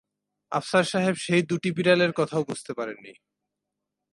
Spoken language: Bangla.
আফসার সাহেব সেই দুটি বিড়ালের কথাও বুঝতে পারেন নি।